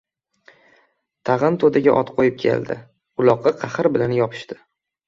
Tag‘in to‘daga ot qo‘yib keldi. Uloqqa qahr bilan yopishdi.